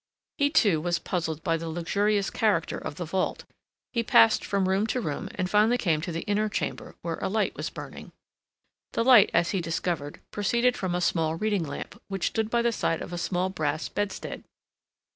He, too, was puzzled by the luxurious character of the vault. He passed from room to room and finally came to the inner chamber where a light was burning. The light, as he discovered, proceeded from a small reading lamp which stood by the side of a small brass bedstead.